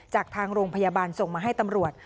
จากทางโรงพยาบาลส่งมาให้ตำรวจ